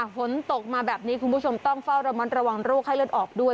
ฝนตกมาแบบนี้คุณผู้ชมต้องเฝ้าระมัดระวังโรคให้เลือดออกด้วย